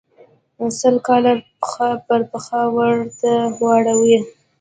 سل کاله پښه پر پښه ورته واړوي.